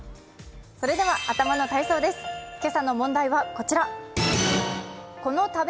今朝の問題はこちら。